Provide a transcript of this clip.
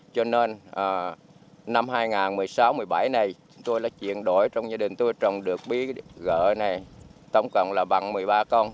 cho nên năm hai nghìn một mươi sáu hai nghìn một mươi bảy này tôi đã chuyển đổi trong gia đình tôi trồng được bí gợ này tổng cộng là bằng một mươi ba con